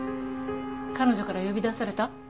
彼女から呼び出された？